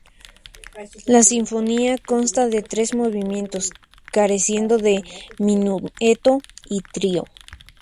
La sinfonía consta de tres movimientos, careciendo de minueto y trio.